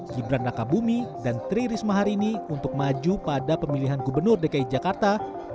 gibran raka bumi dan tri risma hari ini untuk maju pada pemilihan gubernur dki jakarta dua ribu dua puluh